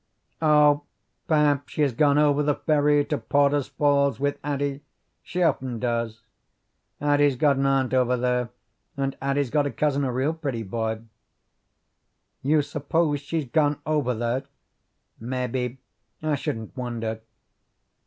"Oh, perhaps she has gone over the ferry to Porter's Falls with Addie. She often does. Addie's got an aunt over there, and Addie's got a cousin, a real pretty boy." "You suppose she's gone over there?" "Mebbe. I shouldn't wonder."